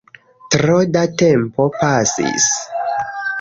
Tro da tempo pasis